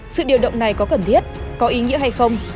sự điều động này có cần thiết có ý nghĩa hay không